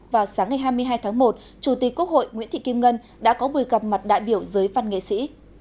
vào sáng ngày hai mươi hai tháng một chủ tịch quốc hội nguyễn thị kim ngân đã có buổi gặp mặt đại biểu giới văn nghệ sĩ